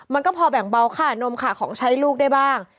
มันก็พอแบ่งเบาค่านมค่ะของใช้ลูกได้บ้าง